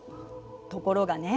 ところがね